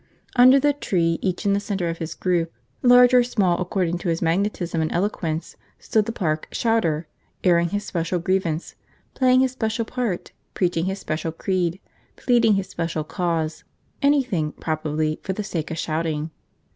Under the trees, each in the centre of his group, large or small according to his magnetism and eloquence, stood the park 'shouter,' airing his special grievance, playing his special part, preaching his special creed, pleading his special cause, anything, probably, for the sake of shouting.